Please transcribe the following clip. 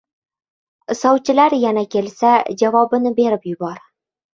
— Sovchilar yana kelsa javobini berib yubor.